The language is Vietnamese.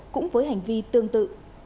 cũng với hành vi tương tự